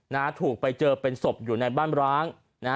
นะฮะถูกไปเจอเป็นศพอยู่ในบ้านร้างนะฮะ